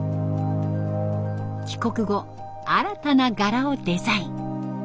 帰国後新たな柄をデザイン。